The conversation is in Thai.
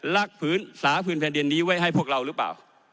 ลักภืนสาภืนแผ่นเด็นนี้ไว้ให้พวกเรารึเปล่า